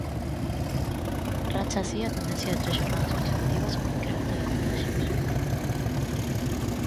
Racha así a tendencia de tres xornadas consecutivas con incremento de contaxios.